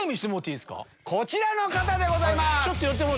こちらの方でございます！